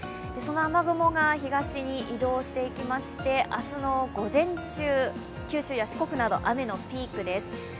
その雨雲が東に移動していきまして、明日の午前中、九州や四国など雨のピークです。